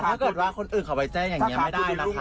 ถ้าเกิดว่าคนอื่นเขาไปแจ้งอย่างนี้ไม่ได้นะคะ